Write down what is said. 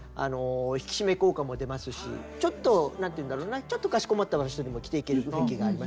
引き締め効果も出ますしちょっと何ていうんだろうなちょっとかしこまった場所にも着ていける雰囲気がありますよね？